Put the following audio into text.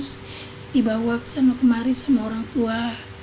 kita seperti itu terus dibawa ke sana kemari sama orang tua